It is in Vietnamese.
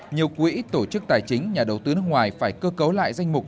nhiều quỹ tổ chức tài chính nhà đầu tư nước ngoài phải cơ cấu lại danh mục